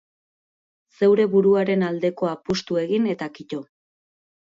Zeure buruaren aldeko apustu egin eta kito.